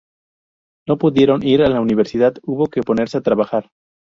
No pudiendo ir a la universidad, hubo de ponerse a trabajar.